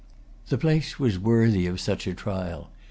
The place was worthy of such a trial.